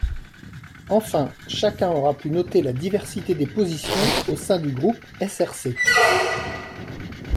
Enfin, chacun aura pu noter la diversité des positions au sein du groupe SRC.